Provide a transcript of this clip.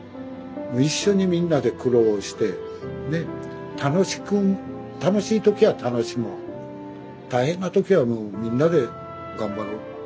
一緒にみんなで苦労してね楽しく楽しい時は楽しもう大変な時はもうみんなで頑張ろう。